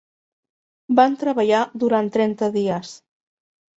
Van treballar durant trenta dies.